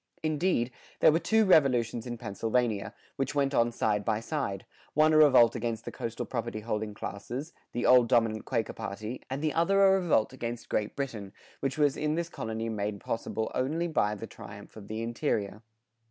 [113:1] Indeed, there were two revolutions in Pennsylvania, which went on side by side: one a revolt against the coastal property holding classes, the old dominant Quaker party, and the other a revolt against Great Britain, which was in this colony made possible only by the triumph of the interior.